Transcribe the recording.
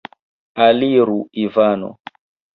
Aliru, Ivano!